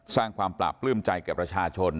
สร้างความปราบปลื้มใจแก่ประชาชน